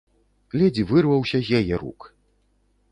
Ледзь вырваўся з яе рук.